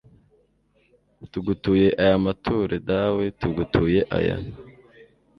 r/ tugutuye aya mature dawe, tugutuye aya